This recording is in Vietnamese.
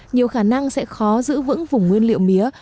nhiều khả năng sẽ khó giữ vững vùng nguyên liệu mía